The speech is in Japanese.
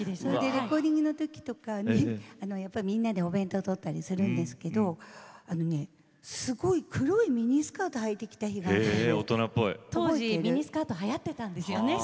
レコーディングのときとかみんなでお弁当をとったりするんですがすごい黒いミニスカートを当時ミニスカートがはやっていたんですよね